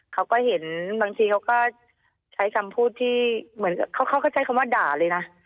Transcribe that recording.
เขาก็เห็นบางทีเขาก็ใช้คำพูดที่เหมือนเขาก็ใช้คำว่าด่าเลยนะ